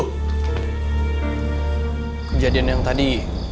kejadian yang tadi